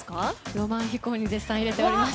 「浪漫飛行」に入れております。